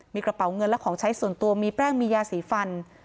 มีกระเป๋าเงินและของใช้ส่วนตัวมีแป้งมียาสีฟัน